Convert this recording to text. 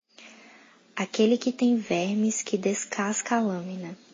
Aquele que tem vermes que descasca a lâmina.